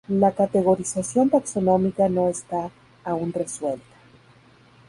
La categorización taxonómica no está aún resuelta.